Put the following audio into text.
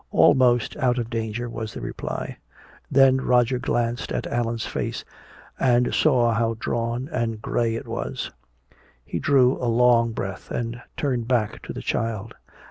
"Almost out of danger," was the reply. Then Roger glanced at Allan's face and saw how drawn and gray it was. He drew a long breath and turned back to the child.